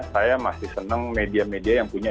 saya masih senang media media yang punya